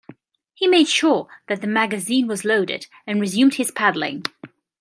He made sure that the magazine was loaded, and resumed his paddling.